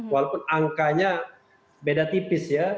walaupun angkanya beda tipis ya